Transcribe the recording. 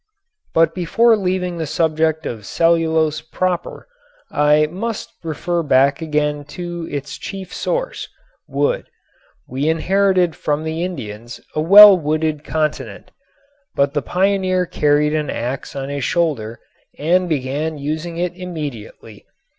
But before leaving the subject of cellulose proper I must refer back again to its chief source, wood. We inherited from the Indians a well wooded continent. But the pioneer carried an ax on his shoulder and began using it immediately.